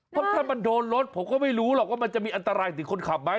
เพราะถ้ามันโดนรถผมก็ไม่รู้หรอกว่ามันมีปัญชาขนาดทั้งคนขับมาก